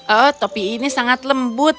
oh topi ini sangat lembut